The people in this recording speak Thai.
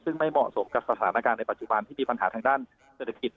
ซึ่งไม่เหมาะสมกับสถานการณ์ในปัจจุบันที่มีปัญหาทางด้านเศรษฐกิจ